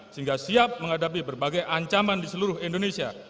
sehingga siap menghadapi berbagai ancaman di seluruh indonesia